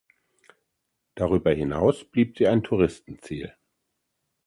Darüber hinaus blieb sie ein Touristenziel.